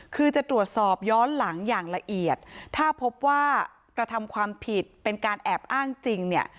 คือจะตรวจสอบย้อนหลังอย่างละเอียดถ้าพบว่ากระทำความผิดเป็นการแอบอ้างจริงเนี่ย